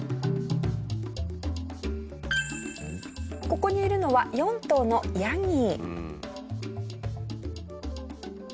ここにいるのは４頭のヤギ。